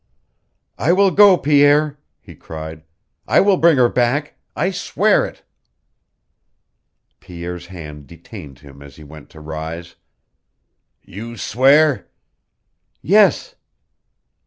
"I will go, Pierre," he cried. "I will bring her back. I swear it." Pierre's hand detained him as he went to rise. "You swear " "Yes."